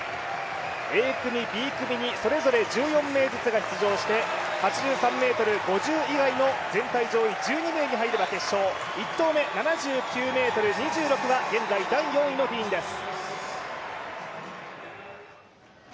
Ａ組、Ｂ組にそれぞれ１４名ずつが出場して８３ｍ５０以外の全体上位１２人以内に入れば決勝、１投目、７９ｍ２６は現在第４位のディーンです。